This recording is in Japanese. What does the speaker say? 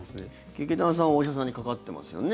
劇団さんはお医者さんにかかってますよね。